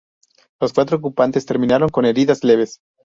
Los cuatro ocupantes terminaron con heridas leves.